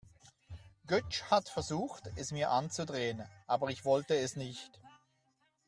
Götsch hat versucht, es mir anzudrehen, aber ich wollte es nicht.